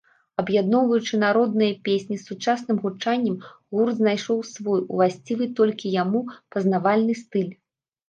Аб'ядноўваючы народныя песні з сучасным гучаннем, гурт знайшоў свой, уласцівы толькі яму, пазнавальны стыль.